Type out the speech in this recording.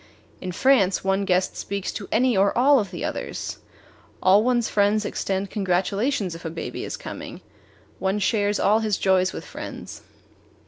In France one guest speaks to any or all of the others; all one's friends extend congratulations if a baby is coming; one shares all his joys with friends.